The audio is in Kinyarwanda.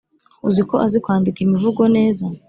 uziko azi kwandika imivugo neza